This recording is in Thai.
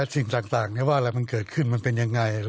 สิ่งต่างที่มันเกิดขึ้นเป็นยังไง